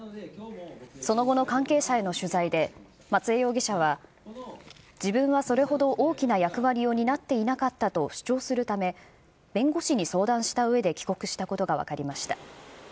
その後の関係者への取材で、松江容疑者は自分はそれほど大きな役割を担っていなかったと主張するため、弁護士に相談したうえで帰国したことが分かりました。